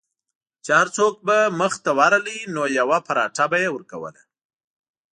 چې هر څوک به مخې ته ورغی نو یوه پراټه به یې ورکوله.